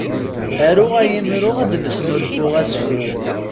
Aru ay imru ad d-nesnulfu asefru.